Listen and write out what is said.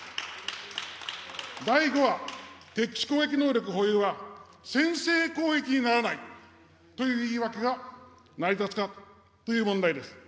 第５は、敵基地攻撃能力保有は、先制攻撃にならないという言い訳が成り立つかという問題です。